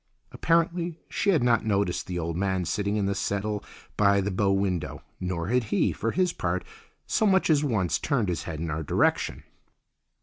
Apparently she had not noticed the old man sitting in the settle by the bow window, nor had he, for his part, so much as once turned his head in our direction.